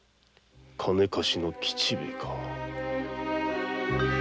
金貸しの吉兵ヱか？